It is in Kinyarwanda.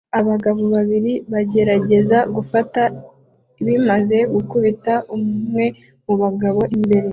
abagabo babiri bagerageza gufata bimaze gukubita umwe mubagabo imbere